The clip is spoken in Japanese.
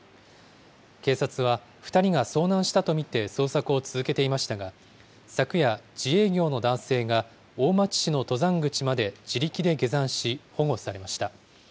警察は２人が遭難したと見て捜索を続けていましたが、昨夜、自営業の男性が大町市の登山口まで自力で下山し、保護されました。